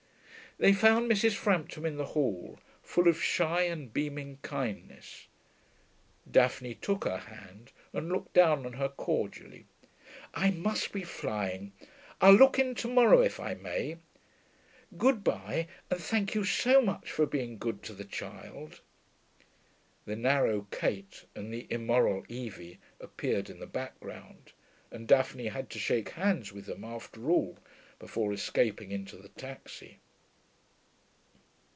They found Mrs. Frampton in the hall, full of shy and beaming kindness. Daphne took her hand and looked down on her cordially. 'I must be flying. I'll look in to morrow, if I may.... Good bye, and thank you so much for being good to the child.' The narrow Kate and the immoral Evie appeared in the background, and Daphne had to shake hands with them after all before escaping into the taxi.